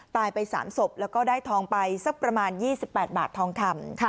ตายไป๓ศพแล้วก็ได้ทองไปสักประมาณ๒๘บาททองคำ